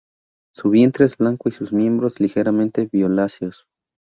Su vientre es blanco y sus miembros ligeramente violáceos.